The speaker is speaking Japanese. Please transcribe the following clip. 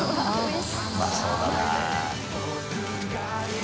うまそうだな。